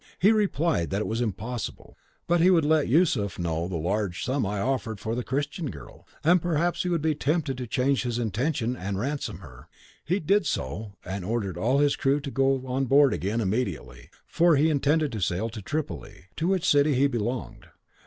He replied that it was impossible, but he would let Yusuf know the large sum I had offered for the Christian girl, and perhaps he would be tempted to change his intention and ransom her. He did so, and ordered all his crew to go on board again immediately, for he intended to sail to Tripoli, to which city he belonged.